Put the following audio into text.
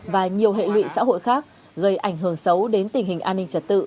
và nhiều hệ lụy xã hội khác gây ảnh hưởng xấu đến tình hình an ninh trật tự